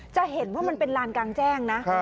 จะเห็นว่ามันเป็นลานกลางแจ้งนะ